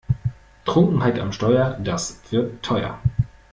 Trunkenheit am Steuer, das wird teuer!